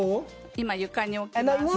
今、床に置きます。